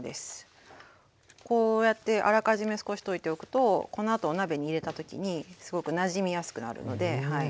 こうやってあらかじめ少し溶いておくとこのあとお鍋に入れた時にすごくなじみやすくなるのではい。